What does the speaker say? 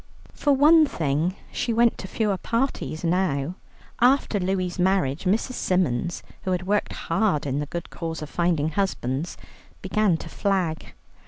For one thing, she went to fewer parties now. After Louie's marriage, Mrs. Symons, who had worked hard in the good cause of finding husbands, began to flag.